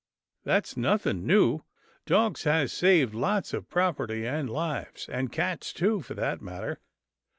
" That's nothing new — dogs has saved lots of property and lives, and cats, too, for that matter.